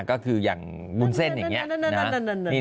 ก็คือยังบุญเส้นอย่างนี้นะ